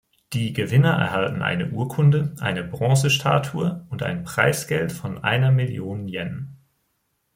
Die Gewinner erhalten eine Urkunde, eine Bronze-Statue und ein Preisgeld von einer Million Yen.